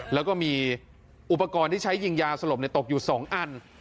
แล้วก็มีอุปกรณ์ที่ใช้ยิงยาสลบตกอยู่๒อัน